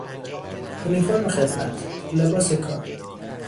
اونیفورم خدمت، لباس کار